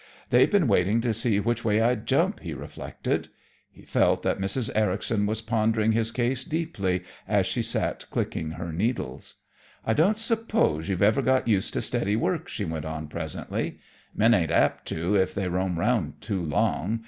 "They've been waiting to see which way I'd jump," he reflected. He felt that Mrs. Ericson was pondering his case deeply as she sat clicking her needles. "I don't suppose you've ever got used to steady work," she went on presently. "Men ain't apt to if they roam around too long.